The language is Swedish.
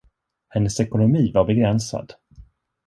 Hennes ekonomi var begränsad.